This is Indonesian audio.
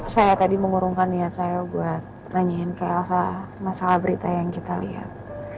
saya tadi mengurungkan niat saya buat nanyain kayak masalah berita yang kita lihat